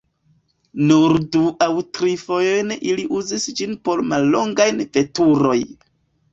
Nur du aŭ tri fojojn ili uzis ĝin por mallongaj veturoj.